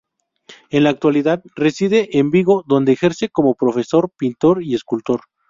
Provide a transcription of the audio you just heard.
En la actualidad reside en Vigo, dónde ejerce como profesor, pintor y escultor.